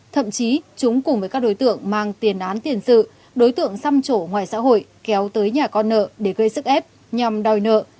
thậm chí chúng cùng với các đối tượng mang tiền án tiền sự đối tượng xăm chỗ ngoài xã hội kéo tới nhà con nợ để gây sức ép nhằm đòi nợ